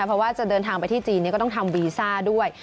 เพราะว่าจะเดินทางไปที่จีนก็ต้องทำวีซ่าด้วย